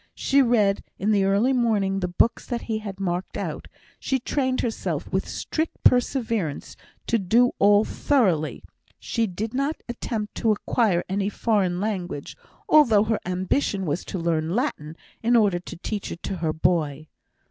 She read in the early morning the books that he marked out; she trained herself with strict perseverance to do all thoroughly; she did not attempt to acquire any foreign language, although her ambition was to learn Latin, in order to teach it to her boy.